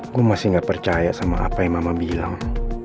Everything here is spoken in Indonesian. gue masih gak percaya sama apa yang mama bilang